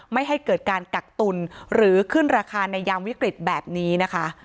ไม่ให้เกิดการกักตุลหรือขึ้นราคาในยามวิกฤตแบบนี้นะคะ